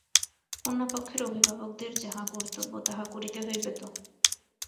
কন্যাপক্ষের অভিভাবকদের যাহা কর্তব্য তাহা করিতে হইবে তো।